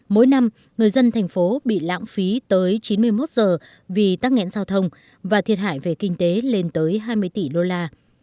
mỗi năm người dân thành phố bị lãng phí tới chín mươi một giờ vì tăng nghẹn giao thông và thiệt hại về kinh tế lên tới hai mươi tỷ đô la